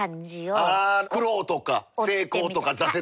あ苦労とか成功とか挫折とか。